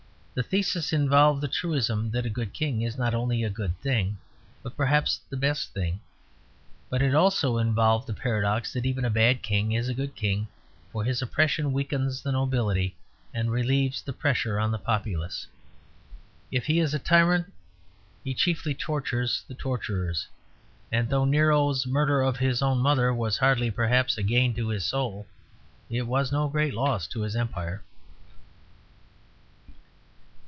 The thesis involved the truism that a good king is not only a good thing, but perhaps the best thing. But it also involved the paradox that even a bad king is a good king, for his oppression weakens the nobility and relieves the pressure on the populace. If he is a tyrant he chiefly tortures the torturers; and though Nero's murder of his own mother was hardly perhaps a gain to his soul, it was no great loss to his empire.